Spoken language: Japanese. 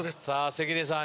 関根さん